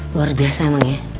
luar biasa emang ya